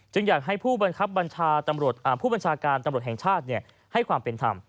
จึงอยากให้ผู้บัญชาการตำรวจแห่งชาติให้ความเป็นธรรม